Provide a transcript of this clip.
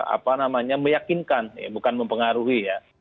apa namanya meyakinkan bukan mempengaruhi ya